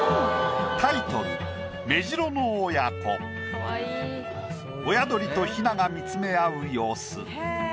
タイトル親鳥と雛が見つめ合う様子。